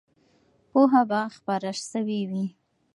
پوهه به خپره سوې وي.